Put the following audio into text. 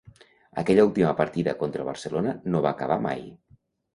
Aquella última partida contra el Barcelona no va acabar mai.